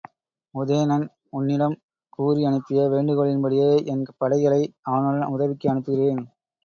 உதயணன் உன்னிடம் கூறி அனுப்பிய வேண்டுகோளின்படியே என் படைகளை அவனுடன் உதவிக்கு அனுப்புகிறேன்.